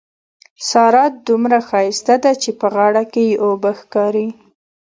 سارا دومره ښايسته ده چې په غاړه کې يې اوبه ښکاري.